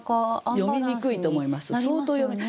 詠みにくいと思います。